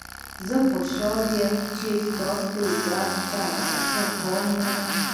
زه خوشحاله یم چې تاسو درس ته ښه پام لرئ